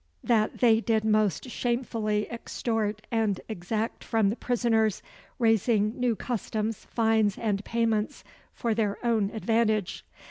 That they did most shamefully extort and exact from the prisoners, raising new customs, fines, and payments, for their own advantage.